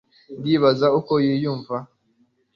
ndibaza uko yiyumva